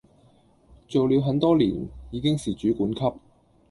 做了很多年，已經是主管級